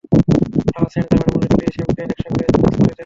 আহ, সেন্ট-জার্মাইনের মধ্যে দুটি শ্যাম্পেন একসঙ্গে মিক্স করে দেন।